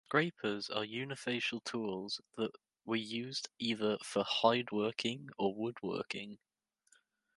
Scrapers are unifacial tools that were used either for hideworking or woodworking.